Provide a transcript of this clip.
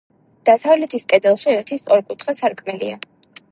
დასავლეთის კედელში ერთი სწორკუთხა სარკმელია.